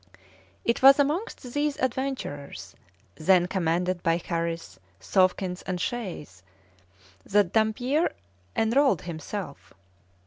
It was amongst these adventurers, then commanded by Harris, Sawkins, and Shays, that Dampier enrolled himself.